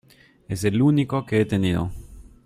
Es el único que he tenido.